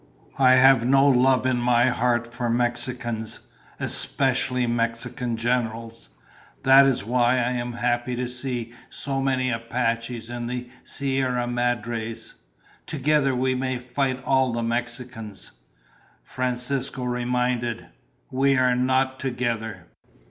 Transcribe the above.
I have no love in my heart for Mexicans, especially Mexican generals. That is why I am happy to see so many Apaches in the Sierra Madres. Together we may fight all the Mexicans." Francisco reminded, "We are not together."